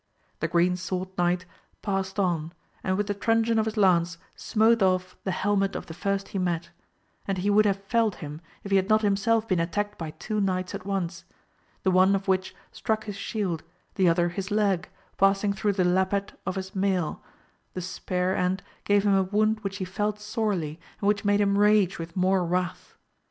The Green Sword Knight passed on, and with the truncheon of his lance smote off the helmet of the first he met, and he would have felled him if he had not himself been attacked by two knights at once; the one of which struck his shield, the other his leg, passing through the lappet of his mail, the spear end gave him a wound which he felt sorely, and which made him rage with more wrath.